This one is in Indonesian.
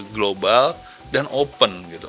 global dan open gitu